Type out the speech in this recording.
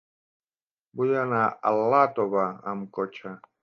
Vull anar a Iàtova amb cotxe.